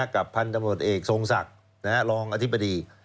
กับพันธุรกิจภัยสิทธิบดีทรงศักดิ์รองอธิบดี